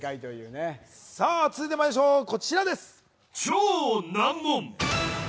さあ続いてまいりましょう、こちらです。